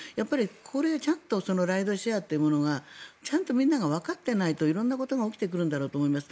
これはちゃんとライドシェアというものがみんながわかってないと色んなことが起きてくるんだろうと思います。